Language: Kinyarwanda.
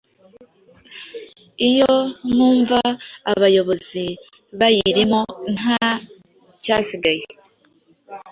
iyo mwumva abayobozi bayirimo nta cyasigaye